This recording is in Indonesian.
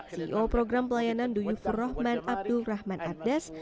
ceo program pelayanan duyufur rahman abdul rahman ardes